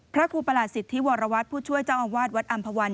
พระครูประหลาสิทธิวรวัตรผู้ช่วยเจ้าอาวาสวัดอำภาวัน